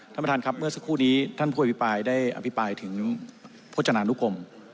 ท่านประธานครับเมื่อสักครู่นี้ท่านผู้อภิปรายได้อภิปรายถึงโภจนานุกรม